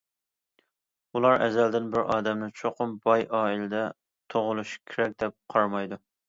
ئۇلار ئەزەلدىن بىر ئادەمنى چوقۇم باي ئائىلىدە تۇغۇلۇشى كېرەك دەپ قارىمايدۇ.